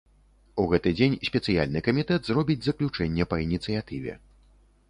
У гэты дзень спецыяльны камітэт зробіць заключэнне па ініцыятыве.